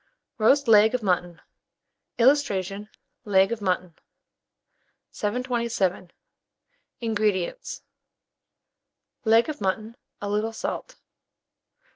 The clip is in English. ROAST LEG OF MUTTON. [Illustration: LEG OF MUTTON.] 727. INGREDIENTS. Leg of mutton, a little salt.